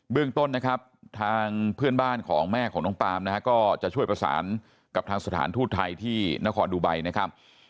เรื่องต้นนะครับทางเพื่อนบ้านของแม่ของน้องปาล์มนะฮะก็จะช่วยประสานกับทางสถานทูตไทยที่นครดูไบนะครับ